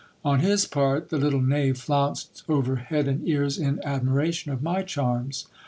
On his part, the little knave flounced over head and ears in admiration of my charms.